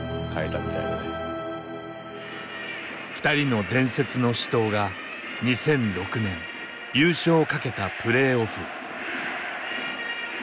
２人の伝説の死闘が２００６年優勝をかけたプレーオフ。